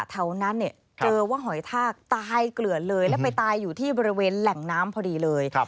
แถวนั้นเนี่ยเจอว่าหอยทากตายเกลือดเลยแล้วไปตายอยู่ที่บริเวณแหล่งน้ำพอดีเลย